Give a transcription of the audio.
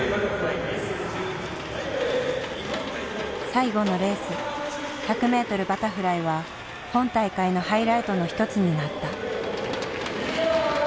最後のレース１００ｍバタフライは本大会のハイライトの一つになった。